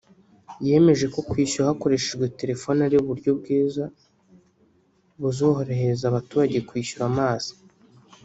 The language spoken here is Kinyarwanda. yemeje ko kwishyura hakorehejwe telefoni ari uburyo bwiza buzorohereza abaturage kwishyura amazi